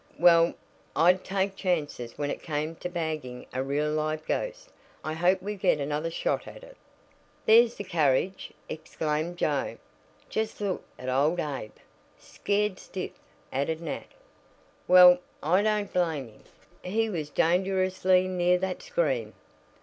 "Well, I'd take chances when it came to bagging a real live ghost. I hope we get another shot at it." "There's the carriage," exclaimed Joe. "Just look at old Abe!" "Scared stiff!" added Nat. "Well, I don't blame him. He was dangerously near that scream.